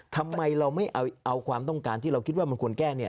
ทำไมเราไม่เอาความต้องการที่เราคิดว่ามันควรแก้